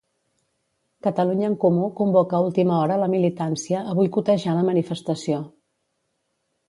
Catalunya en Comú convoca a última hora la militància a boicotejar la manifestació.